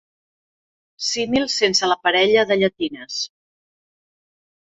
Símil sense la parella de llatines.